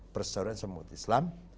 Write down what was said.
persesuaian sama umat islam